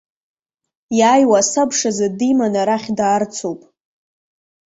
Иааиуа асабшазы диманы арахь даарцоуп.